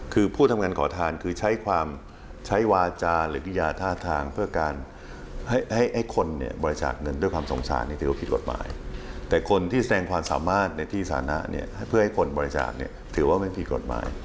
คือผู้ทำการขอทานคือใช้ความใช้วาจาหรือกิยาท่าทางเพื่อการให้คนบริจาคเงินด้วยความสงสารนี่ถือว่าผิดกฎหมาย